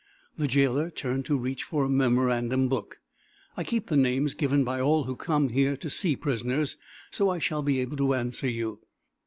The jailer turned to reach for a memorandum book. "I keep the names given by all who come here to see prisoners, so I shall be able to answer you."